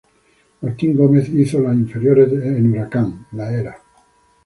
Martín Gómez hizo las inferiores en Huracán Las Heras.